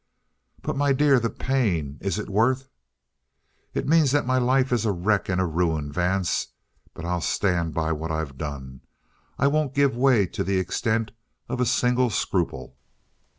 "But, my dear, the pain is it worth " "It means that my life is a wreck and a ruin, Vance. But I'll stand by what I've done. I won't give way to the extent of a single scruple."